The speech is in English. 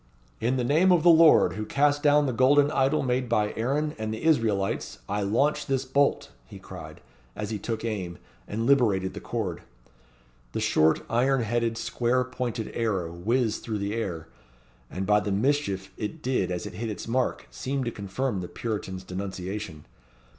"In the name of the Lord, who cast down the golden idol made by Aaron and the Israelites, I launch this bolt," he cried, as he took aim, and liberated the cord. The short, iron headed, square pointed arrow whizzed through the air, and, by the mischief it did as it hit its mark, seemed to confirm the Puritan's denunciation.